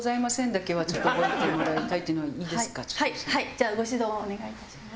じゃあご指導をお願いいたします。